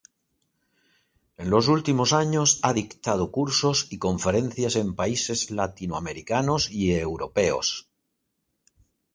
En los últimos años ha dictado cursos y conferencias en países latinoamericanos y europeos.